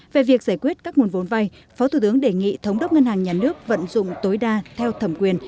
về việc giải quyết các nguồn vốn vay phó thủ tướng đề nghị thống đốc ngân hàng nhà nước vận dụng tối đa theo thẩm quyền